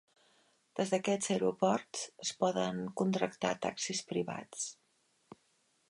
Des d'aquests aeroports es poden contractar taxis privats.